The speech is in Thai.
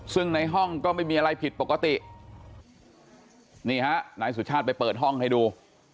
ซึ่งในห้องก็ไม่มีอะไรผิดปกตินี่ฮะนายสุชาติไปเปิดห้องให้ดู